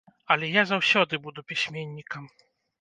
Але я заўсёды буду пісьменнікам.